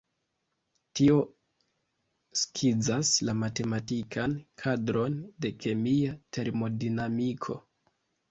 Tio skizas la matematikan kadron de kemia termodinamiko.